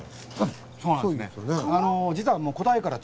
そうなんですね。